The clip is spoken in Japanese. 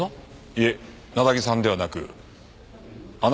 いえなだぎさんではなくあなたのほうです。